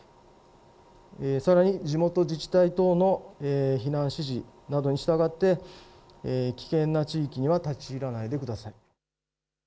さらに地元自治体等の避難指示などに従って危険な地域には立ち入らないでください。